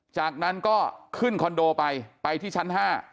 จากนั้นก็ขึ้นคอนโดไปไปที่ชั้น๕